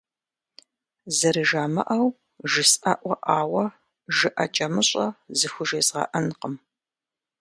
Зэрыжамыӏэу жысӏэӏуэӏауэ жыӏэкӏэмыщӏэ зыхужезгъэӏэнкъым.